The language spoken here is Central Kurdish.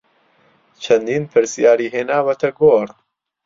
چەندین پرسیاری هێناوەتە گۆڕ